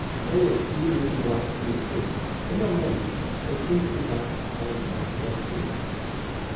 There were a few moving lights in the streets, but not many; they seemed to be lights carried by pedestrians.